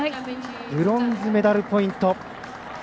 ブロンズメダルポイント。